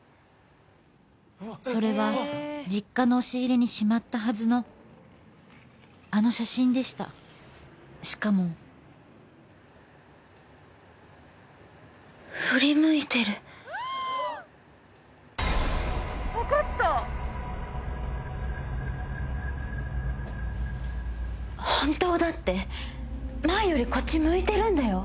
それは実家の押し入れにしまったはずのあの写真でしたしかも振り向いてる本当だって前よりこっち向いてるんだよ